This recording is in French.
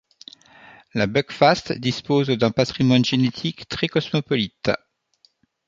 La Buckfast dispose d'un patrimoine génétique très cosmopolite.